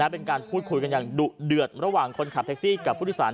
เป็นการพูดคุยกันอย่างดุเดือดระหว่างคนขับแท็กซี่กับผู้โดยสาร